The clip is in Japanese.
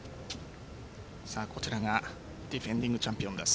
こちらが、ディフェンディングチャンピオンです。